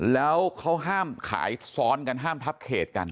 แล้วเขาห้ามขายซ้อนกันห้ามทับเขตกัน